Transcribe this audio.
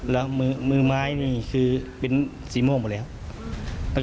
แล้วมือไม้นี่คือเป็นสีม่วงหมดแล้ว